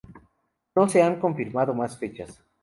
No se han confirmado más fechas.